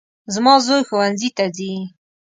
زما زوی ښوونځي ته ځي